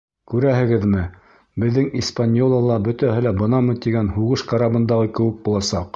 Күрәһегеҙме, беҙҙең «Испаньола»ла бөтәһе лә бынамын тигән һуғыш карабындағы кеүек буласаҡ.